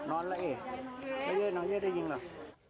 นอนละเอียดนอนเย็นนอนเย็นได้ยินเหรอ